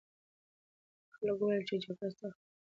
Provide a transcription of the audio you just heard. خلکو وویل چې جګړه سخته وه.